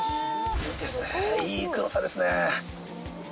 いいですねいい黒さですね。